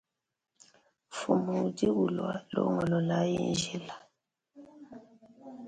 Mfumu udi ulua longololayi njila.